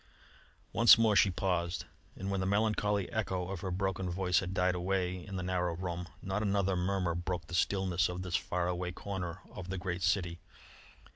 Once more she paused, and when the melancholy echo of her broken voice had died away in the narrow room, not another murmur broke the stillness of this far away corner of the great city.